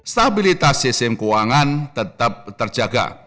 stabilitas sistem keuangan tetap terjaga